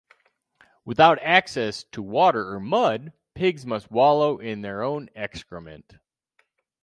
Without access to water or mud, pigs must wallow in their own excrement.